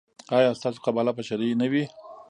ایا ستاسو قباله به شرعي نه وي؟